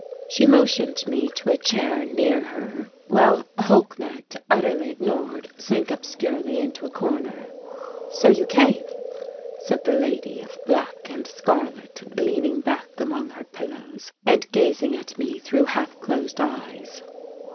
She motioned me to a chair near her, while Holknecht, utterly ignored, sank obscurely into a corner. "So you came," said the lady of black and scarlet, leaning back among her pillows and gazing at me through half closed eyes.